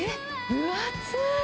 分厚い！